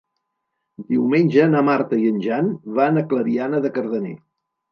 Diumenge na Marta i en Jan van a Clariana de Cardener.